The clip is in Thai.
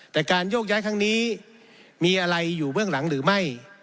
แต่การโยกย้ายครั้งนี้มีอะไรอยู่เบื้องหลังหรือไม่